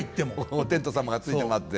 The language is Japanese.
お天道様がついて回って。